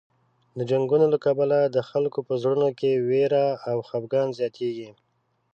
د جنګونو له کبله د خلکو په زړونو کې وېره او خفګان زیاتېږي.